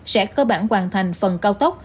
sẽ cơ bản hoàn thành phần cao tốc